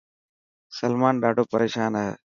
سلمان ڏاڌو پريشان هي.